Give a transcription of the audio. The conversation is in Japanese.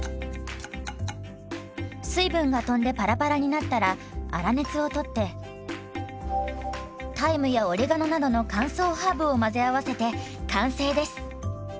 水分がとんでパラパラになったら粗熱を取ってタイムやオレガノなどの乾燥ハーブを混ぜ合わせて完成です。